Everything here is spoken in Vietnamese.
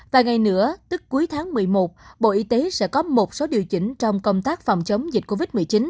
vài ngày nữa tức cuối tháng một mươi một bộ y tế sẽ có một số điều chỉnh trong công tác phòng chống dịch covid một mươi chín